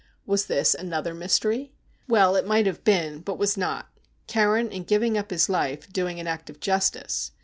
Was this another mystery ? Well, it might have been, but was not, Carron, in giving up his life, doing an act of justice.